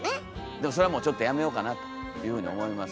でもそれはもうちょっとやめようかなというふうに思います。